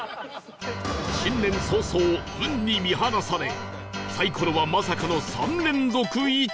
新年早々運に見放されサイコロはまさかの３連続「１」